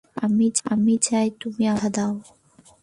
আমি চাই তুমি আমাকে কথা দাও।